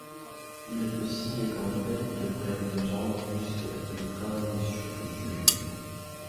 Il est possible qu'André, le frère de Jean Juste ait travaillé sur le projet.